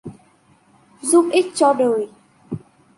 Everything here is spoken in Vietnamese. giúp ích cho đời.